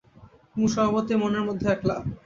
কুমু স্বভাবতই মনের মধ্যে একলা।